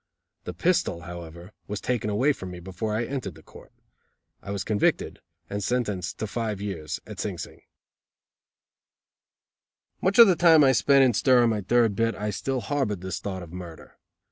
The pistol however was taken away from me before I entered the court: I was convicted and sentenced to five years at Sing Sing. Much of the time I spent in stir on my third bit I still harbored this thought of murder.